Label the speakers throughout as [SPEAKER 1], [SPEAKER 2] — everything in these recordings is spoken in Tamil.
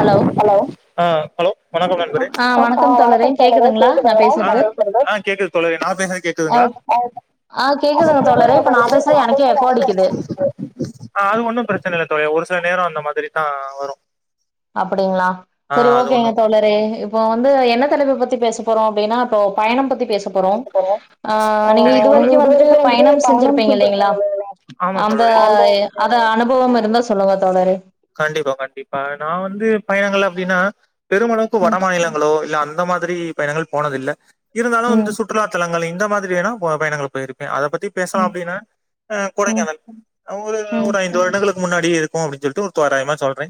[SPEAKER 1] ஹலோ
[SPEAKER 2] ஆ ஹலோ வணக்கம் நண்பரே ஆ
[SPEAKER 1] வணக்கம் தோழரே கேக்குதுங்களா நா பேசுறது
[SPEAKER 2] ஆ கேக்குது தோழரே நா பேசுற்து
[SPEAKER 1] ஆ
[SPEAKER 2] கேக்குதுங்ளா [unintelligible]
[SPEAKER 1] ஆ கேக்குதுங்க தோழரே இப்ப நா பேசுறது எனக்கே எக்கோ அடிக்குது
[SPEAKER 2] ஆ அது ஒன்னு ப்ரச்சன இல்ல தோழரே ஒரு சில நேரோ அந்த மாதிரி தா வரு
[SPEAKER 1] அப்படிங்ளா
[SPEAKER 2] ஆ
[SPEAKER 1] சரி
[SPEAKER 2] அது
[SPEAKER 1] ஓகேங்க
[SPEAKER 2] ஒண்ணு
[SPEAKER 1] தோழரே எப் போ வந்து என்ன தலைப்ப பத்தி பேச போறோ அப்டின்னா போ பயணம் பத்தி பேச போறோ ஆ நீங்க இது வரைக்கு வந்துட்டு பயணம் செஞ்சிருப்பீங்க இல்லைங்களா அந்த ய அத அனுபவம் இருந்தா சொல்லுங்க தோழரே
[SPEAKER 2] கண்டிப்பா கண்டிப்பா நா வந்து பயணங்கள் அப்டின்னா பெருமளவுக்கு வட
[SPEAKER 1] ம்
[SPEAKER 2] மாநிலங்களோ இல்ல அந் அந்த மாதிரி பயணங்கள் போனதில்ல இருந்தாலு வந்து
[SPEAKER 1] ம்
[SPEAKER 2] சுட் சுற்றுலாத்தலங்கள் இந்த மாதிரி வேனா போ பயணங்கள் போய்ருப்பே அத பத்தி பேச்லா அப்டின்னா அ
[SPEAKER 1] ம்
[SPEAKER 2] கொடைக்கானல் ஒரு
[SPEAKER 1] ம்
[SPEAKER 2] ஒரு ஐந்து வருடங்களுக் முன்னாடி இருக்கு அப்டி சொல்ட்டு ஒர் தோராயமா சொல்றே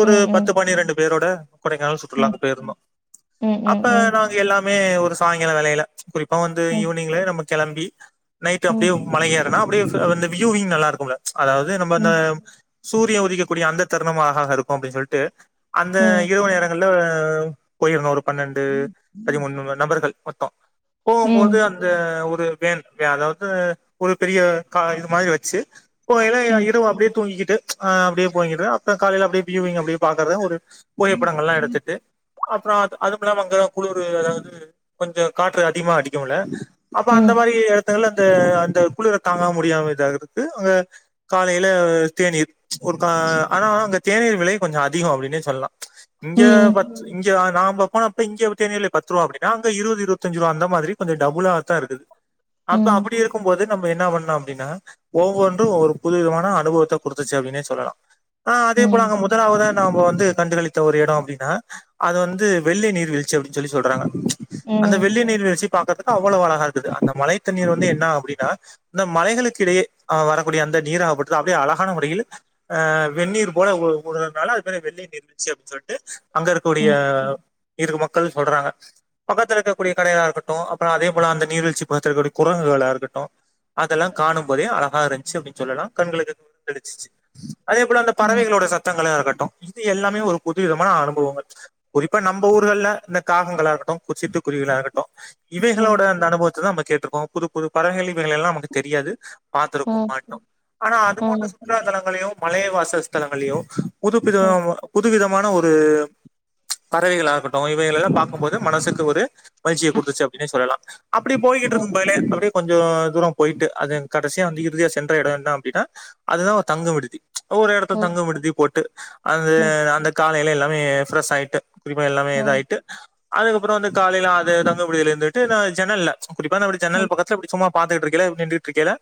[SPEAKER 2] ஒரு
[SPEAKER 1] ம் ம்
[SPEAKER 2] பத்து பன்னிரெண்டு பேரோட கொடைக்கானல் சுற்றுலா
[SPEAKER 1] ம்
[SPEAKER 2] போய்ருந்தோ
[SPEAKER 1] ம் ம்
[SPEAKER 2] அப்ப
[SPEAKER 1] ம்
[SPEAKER 2] நாங்க எல்லாமே ஒரு சாய்ங்கால வேலையில குறிப்பா வந்து ஈவ்னிங்ல நம்ம கெளம்பி நைட்
[SPEAKER 1] ம்
[SPEAKER 2] அப்டியேவ் மல ஏற்னா அப்டே ஃபு இந்த வியூவிங் நல்லார்க்குல அதாவ்து நம்ம
[SPEAKER 1] ம்
[SPEAKER 2] அந்த சூரிய உதிக்க குடிய அந்த தருணமாஹ இருக்கு அப்டி சொல்ட்டு அந்த
[SPEAKER 1] ம்
[SPEAKER 2] இரவு நேரங்கள்ல்ல போய்ருந்தோ ஒரு பன்னெண்டு பதிமூணு நபர்கள் மொத்தோ போம்போது
[SPEAKER 1] ம் ம்
[SPEAKER 2] அந்த ஒரு வேன் வே அதாவ்து ஒரு பெரிய கா இது மாதிரி வச்சி போவையில
[SPEAKER 1] ம்
[SPEAKER 2] இடுவ அப்டே தூங்கிகிட்டு ஆ அப்டே போயிங்கிட்டா அப்ப காலைய்ல அப்டே வ்யூவிங்க அப்டியே பாக்கற்த ஒரு புகைப்படங்கள்லா எடுத்துட்டு அப்றாத் அனுப்பலாம் அங்கதா குளுரு அதாவ்து கொஞ்சோ காற்று அதிக்மா அடிக்கும்ல அப்ப
[SPEAKER 1] ம்
[SPEAKER 2] அந்த
[SPEAKER 1] ம் ம்
[SPEAKER 2] மாதி இடத்துல அந்த அந்த குளிர தாங்க முடியாம இதாருக்கு அங்க காலைல தேனீர் ஒரு ஆ ஆனா அங்க தேநீர் விலை கொஞ்சோ அதிகோ அப்டின்னே சொல்லா இங்கே
[SPEAKER 1] ம்
[SPEAKER 2] பச்சு இங்கனா நாம்ப போனப்ப இங்கவ் தேனிர்ல பத்ரூபா அப்டினா அங்க இருவது இருவத்தஞ்சிரூபா அந்த மாதிரி கொஞ்சோ டபுளாத்தா இருக்குது அப்ப அப்படி
[SPEAKER 1] ம்
[SPEAKER 2] இருக்கும்போது நம்ம என்னா பண்ணு அப்டின்னா ஒவ்வொன்று ஒவ்வொரு புது விதமான அனுபவத்த குடுத்துச்சு அப்டினே சொல்லலா ஆ அதே போல அங்க முதலாவதா நாம வந்து கண்டுகளித்த ஒரு எடோ அப்டின்னா அது வந்து வெள்ளி நீர்வீழ்ச்சி அப்டி சொல்லி சொல்றாங்க
[SPEAKER 1] ம்
[SPEAKER 2] அந்த வெள்ளி நீர்வீழ்ச்சி பாக்கறதுக்கு அவ்ளோ அழகா இருக்குது அந்த மழை தண்ணீர் வந்து என்னா அப்டின்னா அந்த மலைகளுக்கிடையே அ வரக்கூடிய அந்த நீராகப்பட்டது அப்டே அழகான முறையில் ஆ வெந்நீர் போட ஓர் ஒரு ஒரு நலா அது பேரு வெந்நீர் நீர்வீழ்ச்சி அப்டின் சொல்ட்டு அங்க இருக்கூடிய
[SPEAKER 1] ம்
[SPEAKER 2] இருக்க மக்கள் சொல்றாங்க பக்கத்துல இருக்க கூடிய கடையாருகட்டு அப்பறோ அதே போல அந்த நீர்வீழ்ச்சி பக்கத்துலருக்கூடிய குரங்குகளாகட்டு அதெல்லா காணும் போதே அழகா இருந்த்ச்சு அப்டின்னு சொல்லலா கண்களுக்கு கெடச்சுச்சு அதே போல அந்த
[SPEAKER 1] ம்
[SPEAKER 2] பறவைகளோட சத்தங்களே ஆகட்டு இது எல்லாமே ஒரு புதுவிதமான அனுபவங்கள் குறிப்பா நம்ம ஊர்கள்ல இந்த காகங்களாகட்டு குச்சித்து குருவிகளாகட்டு
[SPEAKER 1] ம்
[SPEAKER 2] இவைகளோட அந்த அனுபவத்ததா நம்ம கேட்ருக்கோம புது புது பறவை இவைகள் எல்லா நமக்கு தெரியாது பாத்திருக்கவு
[SPEAKER 1] ம்
[SPEAKER 2] மாட்டோ ஆனா அது போன்ற
[SPEAKER 1] ம்
[SPEAKER 2] சுற்றுலா தலங்களையோ மலைவாசஸ்தலங்களையோ புதுப்பித
[SPEAKER 1] ம் ம்
[SPEAKER 2] புதுவிதமான ஒரு பறவைகளாகட்டு இவைகலெல்லா பாக்கும்போது மனசுக்கு ஒரு மகிழ்ச்சிய குடுத்துச்சு அப்டின்னே சொல்லலா அப்டி
[SPEAKER 1] ம்
[SPEAKER 2] போய்கிட்டுருக்கும் பயலே அப்டி கொஞ்சோ தூரோ போயிட்டு அது கடைசியா வந்து இறுதியா சென்ற எடோ என்ன அப்டின்னா அதுதா ஒரு தங்கு விடுதி ஒரு எடத்துல
[SPEAKER 1] ம்
[SPEAKER 2] தங்கு விடுதி போட்டு அந்த
[SPEAKER 1] ம்
[SPEAKER 2] அந்த காலைல எல்லாமே ஃப்ரெஷ் ஆயிட்டு எல்லாமே இதாயிட்டு அதுக்கப்றோ வந்து காலைல அது தங்கு விடுதில இருந்துட்டு நா ஜன்னல்ல அப்டி பாத்தா அப்டி
[SPEAKER 1] ம் ம்
[SPEAKER 2] ஜன்னல் பக்கத்துல இப்டி சும்மா பாத்துட்ருக்கேல நின்ட்ருக்கேல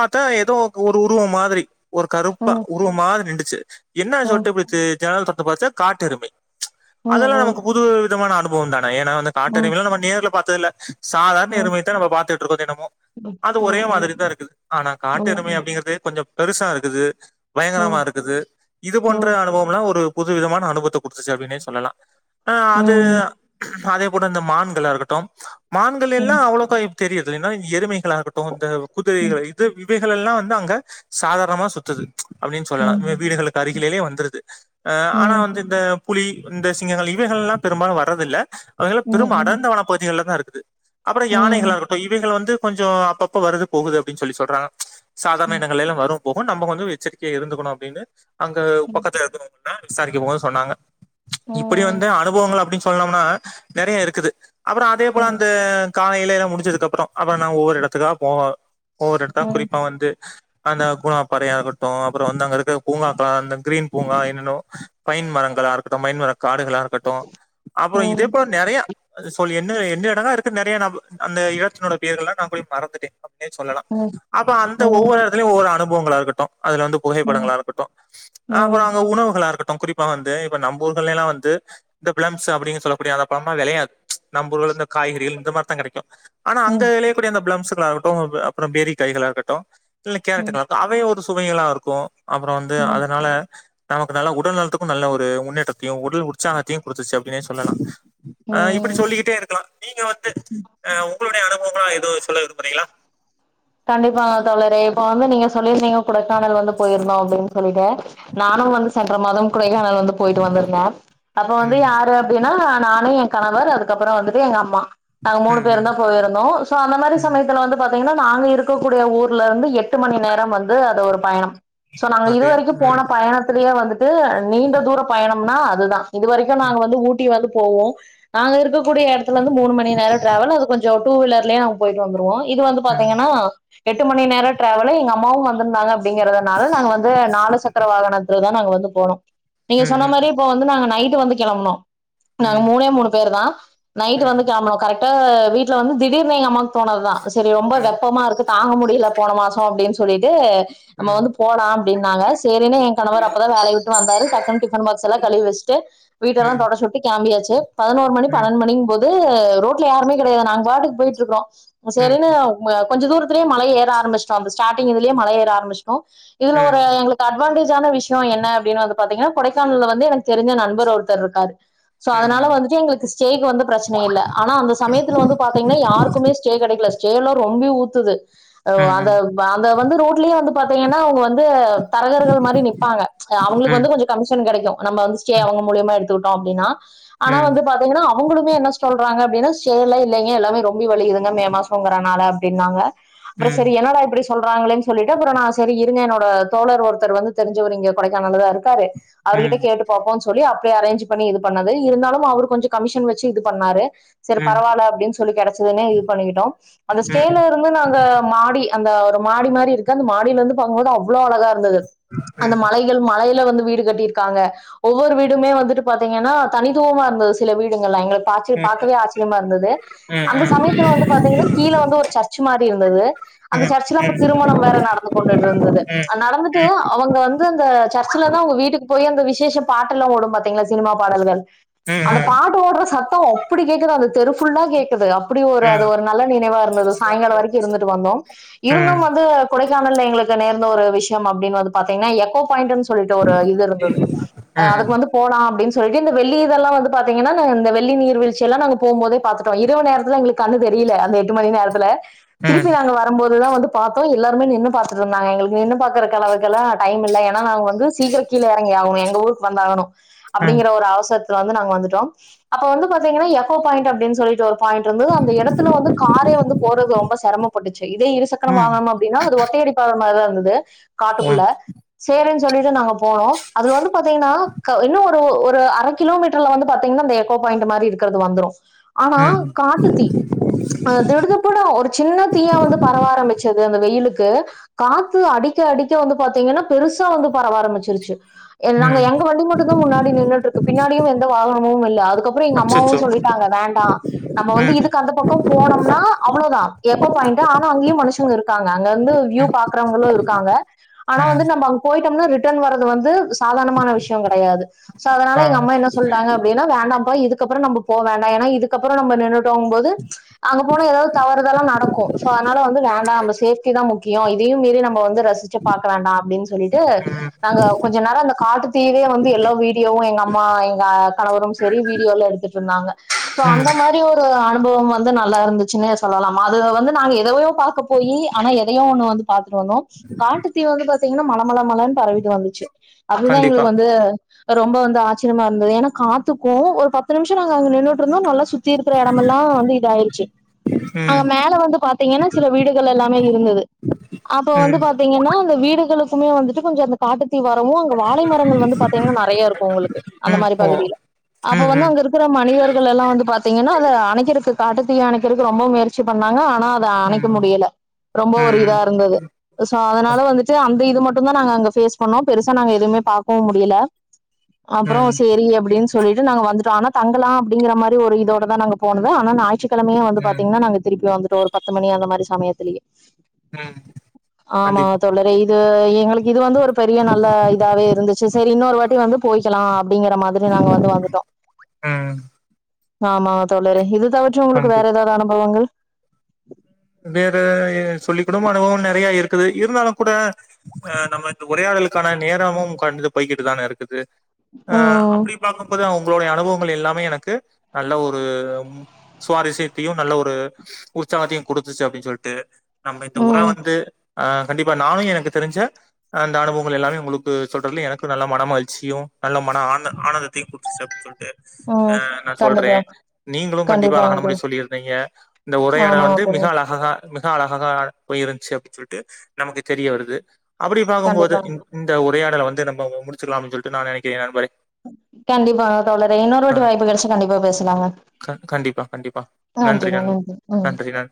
[SPEAKER 2] பாத்தா ஏதோ ஒரு உருவோ மாதிரி ஒரு கருப்பா
[SPEAKER 1] ம்
[SPEAKER 2] உருவம் மாதிரி நின்டுச்சு என்னான்னு
[SPEAKER 1] ம்
[SPEAKER 2] சொல்ட்டு இப்டி ஜன்னல் தொறந்து பாத்தா காட்டெருமை அதெல்லா நமக்கு புது விதமான அனுபவோ தான ஏன்னா வந்து காட்டெருமைல்லா நம்ம நேர்ல பாத்தது இல்ல சாதார்ண
[SPEAKER 1] ம்
[SPEAKER 2] எருமைதா நம்ம பாத்துட்டுருக்கோ தெனமு அது ஒரே மாதிரி தா இருக்குது ஆனா காட்டெருமை அப்டிங்கறதே கொஞ்சோ பெருசா இருக்குது பயங்கரமா இருக்குது இது போன்ற
[SPEAKER 1] ம்
[SPEAKER 2] அனுபவம்லா ஒரு புதுவிதமான அனுபவத்த குடுத்துச்சுனே அப்டின்னே சொல்லலா ஆ அது
[SPEAKER 1] ம்
[SPEAKER 2] பாதைய கூட இந்த மான்களாகட்டு மான்கள் எல்லா அவ்ளோக்கா இப் தெரியறதில்ல ஏன்னா எருமைகளாக ட்டு இந்த குதிரைகள் இவை இவைகளெல்லா வந்து அங்க சாதாரணமா சுத்துது அப்டின்னு சொல்லலா வீ வீ வீடுகளுக்கு அருகிலேலே வந்துருது அ ஆனா வந்து இந்த புலி இந்த சிங்கங்கள் இவைகள் எல்லா பெரும்பாலு வர்றதுல்ல அவைகல்லா பெரும் அடர்ந்த வன பகுதிகள்லதா இருக்குது அப்றோ யானைகளா இருக்கட்டும் இவைகள் வந்து கொஞ்சோ அப்பப்ப வருது போகுது அப்டின்னு சொல்லி சொல்றாங்க சாதார்ண இடங்களெல்லா வரும் போகும் நம்ம வந்து எச்சரிக்கையா இருந்துக்கணு அப்டின்னு அங்க பக்கத்த இருக்குற நா விசாரிக்க மோது சொன்னாங்க இப்டி வந்து அனுபவங்கள் அப்டின் சொ ன்னோம்னா நெறைய இருக்குது அப்றோ அதே போல அந்த காலைல இது முடிச்சதுக்கப்றோ அப்றோ நா ஒவ்வொரு எடத்துக்கா போவே ஒவ்வொரு எடத்தா குறிப்பே வந்து அந்த கூ னா படையாகட்டு அப்றோ வந்து அங்க இருக்க பூங்காக்களா கிரீன் பூங்கா என்னன்னோ பைன் மரங்களா இருக்கட்டு மைன்மர காடுகளா இருக்கட்டு கட்டு அப்றோ இதே போல நெறையா சொல்லு என்ன என்ன இடங்கா இருக்குன்ன நெறைய ந அந்த இடத்தினோட பெயர்கள்லா நா போய் மறந்துட்டே ஏ சொல்லலா அப்ப அந்த ஒவ்வொரு எடத்துலயு ஒவ்வொரு அனுபவங்களா இருக்கட்டு அதுல வந்து புகைப்படங்களா கருக்கட்டு அப்புறோ அங்க உணவுகளா இருக்கட்டும் குறிப்பா வந்து இப்ப நம்பூர்கள் எல்லா வந்து இந்த பிளம்ஸ் அப்டின்னு சொல்லக்கூடிய அந்த பழமெல்லா வெளையாது நம்பூர்ல இந்த காய்கறிகள் இந்த மாதிரி தா கெடக்கு ஆனா அங்கே வெளையக் கூடிய அந்த பிளம்ஸ்களாகட்டும் அப்றோ பேரிக்காய்களா கட்டு இல்ல கேரட்டுகளாகட்டு அவை ஒரு சு துவைகளாருக்கு அப்றோ வந்து அதனால நமக்கு நல்ல உடல் நலத்துக்கும் நல்ல ஒரு முன்னேற்றத்தையு உடல் உற்சாகத்தையு குடுத்துச்சு அப்டின்னே சொல்லலா அ இப்டி சொல்லிக்கிட்டே இருக்கலா நீங்க வந்து அ உங்களுடைய அனுபவங்கள் எதவு சொல்ல விரும்புறீங்களா
[SPEAKER 1] கண்டிப்பா தோழரே இப்ப வந்து நீங்க சொல்லிர்தீங்க கொடைக்கானல் வந்து போயிர்ந்தோ அப்படின் சொல்லிட்ட நானு வந்து சென்ற மாதம் கொடைக்கானல் வந்து போய்ட்டு வந்துருந்தாம் அப்ப வந்து
[SPEAKER 2] ம்
[SPEAKER 1] யாரு அப்டின்னா நானு என் கணவர் அதுக்கப்பறௌ வந்துட்டு எங்க அம்மா நாங்க மூணு
[SPEAKER 2] ம்
[SPEAKER 1] பேரு
[SPEAKER 2] ம்
[SPEAKER 1] தா போயிருந்தோ சோ அந்த மாதிரி
[SPEAKER 2] ம்
[SPEAKER 1] சமயத்துல வந்து பாத்தீங்கன்னா நாங்க இப் இருக்கக்கூடிய ஊர்ல இருந்து எட்டு மணி நேரம் வந்து அத ஒரு பயணம் சோ நாங்க
[SPEAKER 2] அப்டியா
[SPEAKER 1] இதுவரைக்கு போன
[SPEAKER 2] ம்
[SPEAKER 1] பயணத்திலியே வந்துட்டு நீண்ட தூர பயணம்னா அதுதா இது வரைக்கு நாங்க
[SPEAKER 2] ம்
[SPEAKER 1] வந்து ஊட்டி வந்து போவோ நாங்க இருக்கக்கூடிய எடத்துல இந்து மூணு மணி நேரம் டிரராவல் அது கொஞ்சோ டூ வீலர்லயு நாங்க போய்ட்டு வந்துருவோ இது வந்து
[SPEAKER 2] ம்
[SPEAKER 1] பாத்தீங்கன்னா எட்டு மணி நேர டிராவுலு எங்க அம்மாவு வந்துருந்தாங்க ப்டிங்கறதுனால நாங்க வந்து நாலு சக்கர வாகனத்துல தா நாங்க வந்து போனோ நீங்க
[SPEAKER 2] ம்
[SPEAKER 1] சொன்ன
[SPEAKER 2] ம்
[SPEAKER 1] மாரி வந்து நாங்க நைட் வந்து கெளம்னோ நாங்க
[SPEAKER 2] ம்
[SPEAKER 1] மூணே மூணு பேரு தா நைட்
[SPEAKER 2] ம்
[SPEAKER 1] வந்து கேமரோ கரெக் ட வீட்ல வந்து திடீர் நீங் அம்மாக் தோணதுதா சரி ரொம்ப
[SPEAKER 2] ம்
[SPEAKER 1] வெப்பமா இருக்கு தாங்க முடியல போன மாசோ அப்டின் சொல்லிட்டு நம்ம
[SPEAKER 2] ம்
[SPEAKER 1] வந்து போலா அப்டின்னாங்க சரினு என் கணவர் அப்பதா வேலைய விட்டு வந்தாரு டக்குன்னு டிஃபன் பாக்ஸ் அல்லா கழுவி வச்ட்டு வீட்டல்லா
[SPEAKER 2] ம்
[SPEAKER 1] தொடச்சுட் கிம்பியாச்சு பதினோரு மணி
[SPEAKER 2] ம் ம்
[SPEAKER 1] பன்னெண்டு மணிங் போது ரோட்ல யாருமே கிடையாது நாங்க பாட்டுக்கு போயிட்ருக்றோ
[SPEAKER 2] ம்
[SPEAKER 1] சரிநு ம கொஞ்ச தூரத்தலயே மலைய ஏற ஆரம்பிச்டோ அந்த ஸ்டாடிங் இதுலியே மலை ஏற ஆரம்பிச்சோ இதுல ஒரு
[SPEAKER 2] ம்
[SPEAKER 1] எங்ளுக் கட்வான்டேஜான விஷ்யு என்ன அப்டின்னா வந்து பாத்தீங்கன்னா கொடைக்கானல்ல வந்து எனக்கு தெரிஞ்ச நண்பர் ஒருத்தர் ருக்காரு சோ
[SPEAKER 2] ம் ம்
[SPEAKER 1] அதனால வந்துட்டு எங்ளுக்குஸ் ஜேக்கு வந்து ப்ரச்ன இல்ல ஆனா அந்த சமயத்துல வந்து பாத்தீங்னய் யாருக்குமே ஸ்டே கிடைக்கல ஸ்டேலா ரொம்பி ஊத்துது அவ்
[SPEAKER 2] ம் ம்
[SPEAKER 1] அந்தவ் அந்த வந்து ரோட்லியே வந்து பாத்தீங்கன்னா அவங்க வந்து தரகர்கள் மாரி நிப்பாங்க அவங்களுக்கு ஜ கொஞ்சம் கமிஷன் கிடைக்கும் நம்ப வந்து ஸ்டே அவங்க மூலியமா எடுத்துக்கிட்டோ அப்டின்னா ஆனா வந்து பாத் சுய்ங்கனா அவங்களுமே என்ன சொல்றாங்க அப்டின்ன ஷேர்ல இல்லைங்க எல்லாமே ரொம்பி வலியுதுங்க மே மாசம்ங்கறனால அப்டின்னாங்க
[SPEAKER 2] ம்
[SPEAKER 1] அப்ற சரி என்னடா இப்டிஸ் சொல்றாங்களேன்ன சொல்லிட்டு அப்பற நா சரி இருங்க என்னோட தோழர் ஒருத்தர் வந்து தெரிஞ்சவர் இங்க கொடைக்கானல்லதா இருக்காரு அருலிட்ட
[SPEAKER 2] ம்
[SPEAKER 1] கேட்டுப்பாப்போன் சொல்லி அப்ரே அரேன்ஜு பண்ணி இது பண்ணது இருந்தாலும் அவர் கொஞ்சு கமிஷன் வச்சி இது பண்ணாரு சரி பரவால்ல அப்டின் சொல்லி கிடைச்சதுனே இது பண்ணிக்கிட்டோம் அந்த ஸ்டேல இருந்து நாங்கம் மாடி அந்த ஒரு மாடி மாரி இருக்கு அந்த மாடில இருந்து பாக்கும்போது அவ்ளோ அழகா இருந்தது அந்த மலை யல் மலையில வந்து வீடு கட்டிர்க்காங்க ஒவ்வொரு வீடுமே வந்துட்டு பாத்தீங்கன்னா தனித்துவமா இருந்தது சில வீடுகள்லா எங்ளுக் பாச்சி பாக்கவே ஆச்சரியமா இருந்தது அந்த
[SPEAKER 2] ம்
[SPEAKER 1] சமயத்துல வந்து பாத்தீங்கன்னய் கீழ வந்து ஒரு ச்சர் மாரி இருந்தது அந்த சர்ச்சல அப்ப திருமணம் வேற நடந்து கொண்டிட்ருந்தது நடந்துட்டு அவங்க வந்து அந்த சர்ச்சல தான் அவங்க வீட்டுக்கு போய் அந்த விசேஷ பாட்டு எல்லா ஓடும் பாத் திங்ளா சினிமா பாடல்கள் அந்த பாட்டு ஓடுற சத்தம் அப்படி கேடக்குது அது தெரு ஃபுல்லா கேக்குது அப்படி ஒரு அது ஒரு நல்ல நினைவா இருந்ததுஸ் சாயங்கால வரைக்கி இருந்துட்டு வந்தோ இருந்தும் வந்து கொடை யாண எங்களுக்கு நேர்ந்த ஒரு விஷ்யம் அப்டின் வந்து பாத்தீங்கன்னா எக்கோ பாய்ண்ட்டுன் சொ சொல்லிட்டோ ஒரு இது இருந்தது அ அதுக்கு வந்து போலாம் அப்டின் சொல்லிட்டு இந்த வெள்ளி இதெல்லா வந்து பாத்தீங்கன்னா இந்த வெள்ளி நீர் வீ்ழ்ச்சியெல்லா நாங்க போம்போதே பாத்துட்டோ இரவு நேரத்துல எங்ளுக் கண்ணு தெரியல அந்த எட்டு மணி நேரத்துல திருப்பி நாங்க வர் ரம்போதுதா வந்து பாத்தோ எல்லார்மே நின்னு பாத்துட்ருந்தாங்க எங்களுக் நின்னு பாக்கறக் கலவுக்கல்லா டைம் இல்ல ஏனா நா வந்து சீக்கிரக் கீழ யறங்கி ஆகனு எங்க ஊருக் வந்த் ஆகணு அப்படிங்கிற ஒரு அவசரத்துல வந்து நாங்க வந்துட்டோ அப்ப வந்து பாத்தீங்கன்னா எக்கோ பாய்ண்ட் அப்டின் சொல்லிட்டோத் பாய்ண்ட் ருந்தது அந்த எடத்துல வந்து காரே வந்து போறது ரொம்ப ச சிரமபட்டுச்சு இதே இருசக்கர வாகணம் அப்டின்னா அது ஒத்தையடிப்பாத மாரிதா இருந்தது காட்டுக்குள்ள சேரின்னு சொல்லி தா நாங்க போனோ அதுல வந்து பாத்தீங்கன்னா இன்னு ஒரு அர கிலோமீட்டர்ல வந்து பாத்தீங்கன்னா அந்த எக்கோ பாயிண்ட் மாதிரி இருக்குறது வந்துரு ஆனா காட்டுத்தீ அ-திடுதிப் புன்னு ஒரு சின்ன தீயா வந்து பரவ ஆரம்பிச்சது அந்த வெயிலுக்கு காத்து அடிக்க அடிக்க வந்து பாத்தீங்கன்னா பெருசா வந்து பரவ ஆரம்பிச்சிருச்சு நாங்க
[SPEAKER 2] ம்
[SPEAKER 1] எங்க வண்டி மட்டும் தா முன்னாடி நின்னுட்டு இருக்கு. பின்னாடியு எந்த வாகனமும் இல்ல. அதுக்கப்புறோ எங்க
[SPEAKER 2] அச்சச்சோ
[SPEAKER 1] அம்மாவும் சொல்லி டாங்க வேண்டா, நம்ம வந்து
[SPEAKER 2] ம்
[SPEAKER 1] இதுக்கு அந்த பக்கோ போனம்னா. அவ்ளோதா எக்கோ பாயிண்ட் ஆனா அங்கேயு மனுஷங்க இருக்காங்க. அங்க அங்க வியூ
[SPEAKER 2] ம்
[SPEAKER 1] பாக்கிறவங்களும் இருக்காங்க. ஆனா
[SPEAKER 2] ம்
[SPEAKER 1] வந்து நம்ப அங்க போயிட்டோம்னா ரிட்டர்ன் வர்றது வந்து சாதார்ணமான விஷ்யோ கெடையாது. சோ அதனால
[SPEAKER 2] ஆ
[SPEAKER 1] எங்க அம்மா என்ன சொல்றாங்க, வேனா வேண்டாம்பா, இதுக்கப்றோ நம்ம போ வேண்டா ஏன்னா இதுக்கப்பறோ நம்ம நின்னுடோம் போது, அங்க போனா ஏதாவ்து தவறுதலா நடக்கு சோ அத்னால வந்து வேண்டா நம்ம சேஃப்டி தா முக்கியோ. இதையும் மீறி நம்ம வந்து, ரசிச்சு பாக்க வேண்டா அப்டின்னு சொல்லிட்டு
[SPEAKER 2] ம் ம்
[SPEAKER 1] நாங்க கொஞ்சோ நேரோ அந்த காட்டு தீவே வந்து எல்லோ வீடியோவு எங்க அம்மா எங்க கணவரும் சரி வீடியோல எடுத் சொன்னாங்க சோ அந்த மாதிரி ஒரு அனு அனுபவம் வந்து நல்லா இருந்துச்சுன்னே சொல்லலாமா அதுல வந்து நாங்க எதையோ பாக்க போய், ஆனா எதையோ ஒண்ணு வந்து பாத்துட்டு வந்தோ. காட்டுத்தீ வந்து பாத்தீங்கன்னா மலமல மலன் பரவிட்டு வந்துச்சு. அதுதா
[SPEAKER 2] கண்டிப்பா
[SPEAKER 1] எங்களுக்கு வந்து, ரொம்ப வந்து ஆச்சரியமா இருந்தது. ஏன்னா காத்துக்கும் ஒரு பத்து நிமிஷோ நாங்க அங்க நின்னுட்டு இருந்தோம் நல்லா சுத் திருக்கிற இடமெல்லா வந்து இத ஆயிடுச்சு. அங்க
[SPEAKER 2] ம்
[SPEAKER 1] மேல வந்து பாத்தீங்கன்னா, சில வீடுகள் எல்லாமே இருந்தது அப்ப வந்து
[SPEAKER 2] ம்
[SPEAKER 1] பாத் தீங்கன்னா அந்த வீடுகளுக்குமே வந்துட்டு கொஞ்சோ அந் காட்டு தீ வரவு அங்க வாழை மரங்கள் வந்து பாத்தீங்கன்னா நெறைய இருக்கும் உங்களுக்கு அந்த
[SPEAKER 2] ம்
[SPEAKER 1] மாதிரி
[SPEAKER 2] ஓ
[SPEAKER 1] பகுதியில, அப்ப
[SPEAKER 2] ம்
[SPEAKER 1] வந்து
[SPEAKER 2] ம்
[SPEAKER 1] அங்க இருக்கிற மனிதர்கள் எல்லாம் வந்து பாத்தீங்கன்னா, அத அணக்கிறதுக்கு காட்டுத்தீ அணக்கிறதுக்கு ரொம்ப முயற்சி பண்ணாங்க. ஆனா அத அணைக்க
[SPEAKER 2] ம்
[SPEAKER 1] முடியல ரொம்ப ஒரு இதா
[SPEAKER 2] ம்
[SPEAKER 1] இருந்தது. சோ அதனால வந்துட்டு அந்த இது மட்டும் தான் நாங்க அங்க ஃபேஸ் பண்ணோ பெருசா நாங்க எதுவுமே பாக்கவு முடியல. அப்றோ
[SPEAKER 2] ம்
[SPEAKER 1] சேரி அப்டின்னு சொல் சொல்லிட்டு நாங்க வந்துட்டோ ஆனா தங்கலா அப்டிங்கற மாரி ஒரு இதோட தா நாங்க போனது ஆனா நாயிற்றுக்கெழமையு வந்து பாத்
[SPEAKER 2] ம்
[SPEAKER 1] நாங்க திருப்பி வந்துட்டோ ஒரு பத்து மணி அந்த மாதிரி சமயத்திலியே.
[SPEAKER 2] ம்
[SPEAKER 1] ஆமா
[SPEAKER 2] கண்டிப்பா
[SPEAKER 1] தோழரே. இது எங்ளுக்கு இது வந்து ஒரு பெரிய நல்ல இதாவே இருந்துச்சு. சேரி இன்னொரு வாட்டி வந்து போயிக்கலா அப்டிங்குற மாதிரி நாங்க வந்து வந்துட்டோ
[SPEAKER 2] ம்
[SPEAKER 1] ஆமா தோழரே, இது தவற்றும் உங்களுக்கு வேற
[SPEAKER 2] ஹண்ட்ரட்
[SPEAKER 1] ஏதாவ்து அனுபவங்கள்.
[SPEAKER 2] வேற சொல்லிக்குடும் அனுபவோ நெறைய இருக்குது, இருந்தாலு கூட அ-நம்ம இந்த உரையாடலுக்கான நேரமும் கடந்து போய்கிட்டு தான இருக்குது. ஆ
[SPEAKER 1] ம்
[SPEAKER 2] அப்டி பாக்கும்போது அவங்களுடைய அனுபவங்கள் எல்லாமே எனக்கு நல்ல ஒரு சுவாரிசியத்தையுநல்ல ஒரு உற்சாகத்தையு குடுத்துச்சு அப்டின்னு சொல்லிட்டு. நம்ம இந்த உர
[SPEAKER 1] ம்
[SPEAKER 2] வந்து அ-கண்டிப்பா நானும் எனக்கு தெரிஞ்ச அந்த அனுபவங்கள் எல்லாமே உங்களுக்கு சொல்றதுல, எனக்கு நல்ல மன மகிழ்ச்சியும், நல்ல மன ஆன-ஆனந்தத்தையு குடுத்துச்சு. அப்டின் சொல்ட்டு
[SPEAKER 1] ம்
[SPEAKER 2] ஆ நா
[SPEAKER 1] கண்டிப்பா
[SPEAKER 2] சொல்றேன், நீங்களும் கண்டிப்பா
[SPEAKER 1] கண்டிப்பாங்க
[SPEAKER 2] அழகான
[SPEAKER 1] தோழி
[SPEAKER 2] முடிவு சொல்லிருந்தீங்க. இந்த உரையாடல்
[SPEAKER 1] ஆமாங்க
[SPEAKER 2] வந்து
[SPEAKER 1] தோழி
[SPEAKER 2] மிக அழ அஹஹா மிக அழகாக போயிருந்துச்சு அப்டின்னு சொல்லிட்டு நமக்கு தெரிய வருது. அப்டி பாக்கும்போது,
[SPEAKER 1] கண்டிப்பாங்க தோழி
[SPEAKER 2] இந்-இந்த உரையாடல வந்து நம்ம முடிச்சக்கலாம்னு சொல்லிட்டு நா நெனக்கிறேன் நண்பரே.
[SPEAKER 1] கண்டிப்பா தோழரே இன்னொரு வாட்டி வாய்ப்பு கெடச்சா கண்டிப்பா பேசலாங்க.
[SPEAKER 2] க-கண்டிப்
[SPEAKER 1] நன்றிங்க நன்றி. ம்
[SPEAKER 2] நன்றி நன்றி